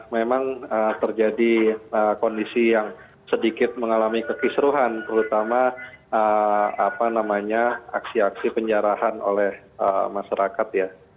memang terjadi kondisi yang sedikit mengalami kekisruhan terutama aksi aksi penjarahan oleh masyarakat ya